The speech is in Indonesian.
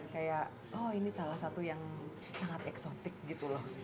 kayak oh ini salah satu yang sangat eksotik gitu loh